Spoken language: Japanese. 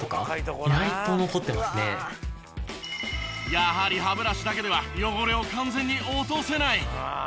やはり歯ブラシだけでは汚れを完全に落とせない。